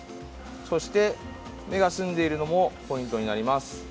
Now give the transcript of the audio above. そして目が澄んでいるのもポイントになります。